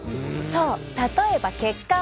そう例えば血管。